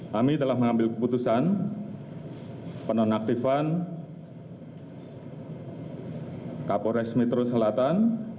kami telah mengambil keputusan penonaktifan kapolres metro selatan